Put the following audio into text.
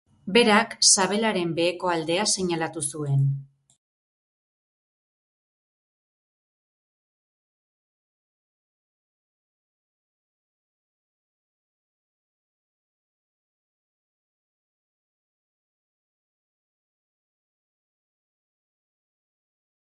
Kalumniak zabaltzen, inoren izena belzten, gezurrak barreiatzen jendearen gainean.